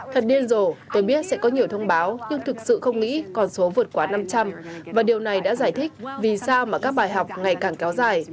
thật điên rồ tôi biết sẽ có nhiều thông báo nhưng thực sự không nghĩ con số vượt quá năm trăm linh và điều này đã giải thích vì sao mà các bài học ngày càng kéo dài